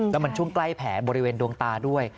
แล้วมันช่วงใกล้แผลบริเวณดวงตาด้วย